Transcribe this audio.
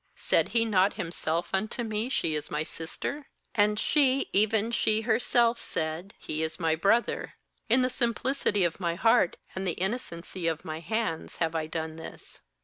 ^aid he not himself unto me : She is my sister? and she, even she herself said: He is my brother, In the simplicity of my heart and the innocency of my hands have I done this.'